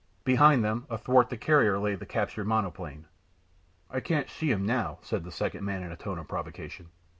Behind them, athwart the carrier lay the captured monoplane. "I can't see him now," said the second man in a tone of provocation.